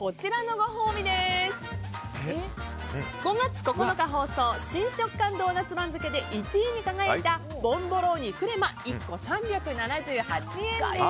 ５月９日放送新食感ドーナツ番付で１位に輝いたボンボローニクレマ１個３７８円です。